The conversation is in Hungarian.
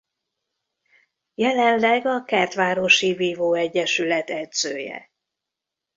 Jelenleg a Kertvárosi Vívó Egyesület edzője.